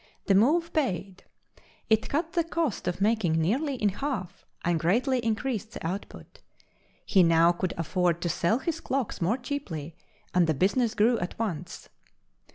The move paid; it cut the cost of making nearly in half and greatly increased the output. He now could afford to sell his clocks more cheaply, and the business grew at once.